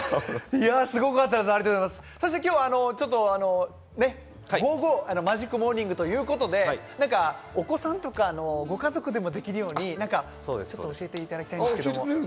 今日はちょっとゴーゴーマジックモーニングということで、お子さんとかご家族でもできるように何か教えていただきたいんですけど。